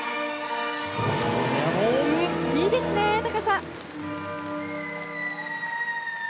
いいですね、高さ！